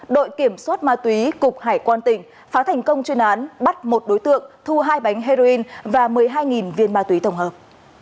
đội kiểm soát ma túy cục hải quan tỉnh phá thành công chuyên án bắt một đối tượng thu hai bánh heroin và một mươi hai viên ma túy tổng hợp